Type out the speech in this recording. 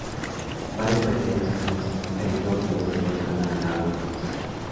Varias pequeñas islas e islotes se encuentran a lo largo del pasaje.